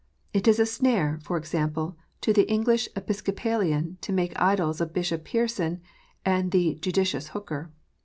It is a snare, for example, to the English Episcopalian to make idols of Bishop Pearson and the "Judicious Hooker."